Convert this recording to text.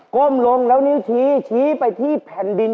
้มลงแล้วนิ้วชี้ชี้ไปที่แผ่นดิน